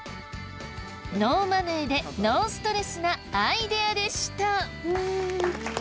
ノーマネーでノーストレスなアイデアでした！